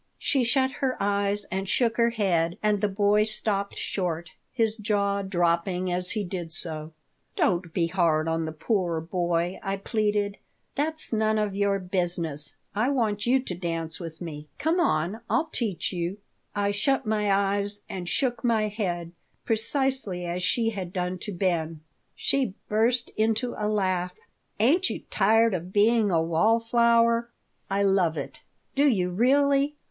She shut her eyes and shook her head and the boy stopped short, his jaw dropping as he did so "Don't be hard on the poor boy," I pleaded "That's none of your business. I want you to dance with me. Come on. I'll teach you I shut my eyes and shook my head precisely as she had done to Ben She burst into a laugh. "Ain't you tired of being a wall flower?" "I love it." "Do you really?